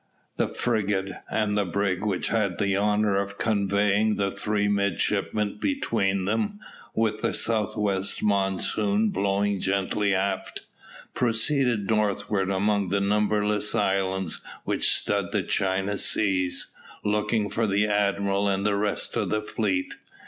The frigate and the brig which had the honour of conveying the three midshipmen between them, with the south west monsoon blowing gently aft, proceeded northward among the numberless islands which stud the China seas, looking for the admiral and the rest of the fleet.